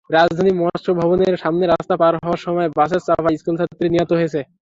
রাজধানীর মৎস্য ভবনের সামনে রাস্তা পার হওয়ার সময় বাসের চাপায় স্কুলছাত্রী নিহত হয়েছে।